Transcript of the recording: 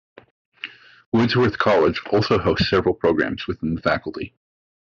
Woodsworth College also hosts several programs within the faculty.